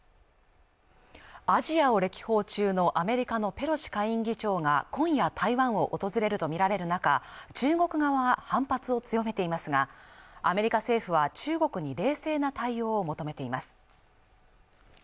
アジアを歴訪中のアメリカのペロシ下院議長が今夜台湾を訪れると見られる中中国側は反発を強めていますがアメリカ政府は中国に冷静な対応を求めています